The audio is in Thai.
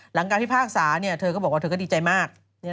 หลังการพิพากษาเนี่ยเธอก็บอกว่าเธอก็ดีใจมาก